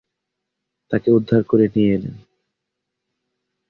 তাকে উদ্ধার করে নিয়ে এলেন।